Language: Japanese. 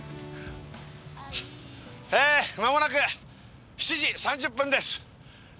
間もなく７時３０分です。